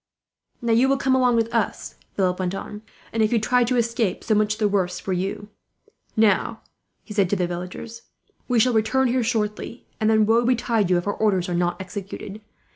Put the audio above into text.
"Now you will come along with us," Philip went on, "and if you try to escape, so much the worse for you. "Now," he said to the villagers, "we shall return here shortly, and then woe betide you if our orders are not executed.